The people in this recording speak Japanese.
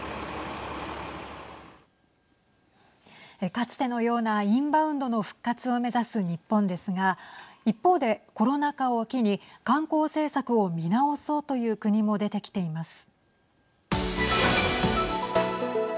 かつてのようなインバウンドの復活を目指す日本ですが一方でコロナ禍を機に観光政策を見直そうという国も出てきています。